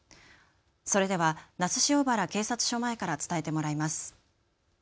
それでは那須塩原警察署前から伝えてもらいます。